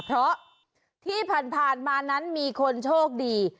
เพราะที่ผ่านมานั้นมีคนโชคดี